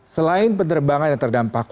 selain penerbangan yang terdampak